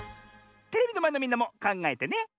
テレビのまえのみんなもかんがえてね。